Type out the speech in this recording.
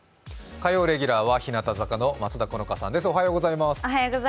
火曜レギュラーは日向坂の松田好花さんです。